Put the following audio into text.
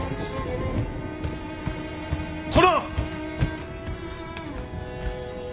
殿！